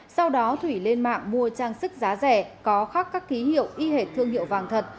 sau đó thủy lên mạng mua trang sức giá rẻ có khắc các ký hiệu y hệt thương hiệu vàng thật